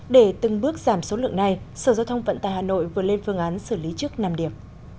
để từng bước giảm số lượng này sở giao thông vận tài hà nội vừa lên phương án xử lý trước năm điểm